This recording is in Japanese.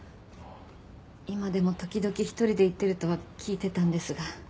今でも時々一人で行ってるとは聞いてたんですが。